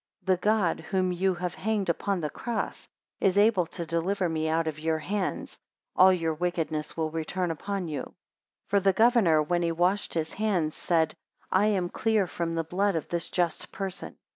10 The God whom you have hanged upon the cross, is able to deliver me out of your hands. All your wickedness will return upon you. 11 For the governor, when he washed his hands, said, I am clear from the blood of this just person.